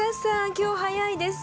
今日早いですね。